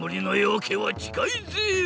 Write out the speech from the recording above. あけはちかいぜよ！